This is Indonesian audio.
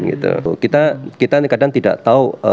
kita kadang kadang tidak tahu